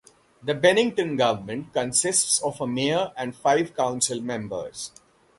The Bennington government consists of a mayor and five council members.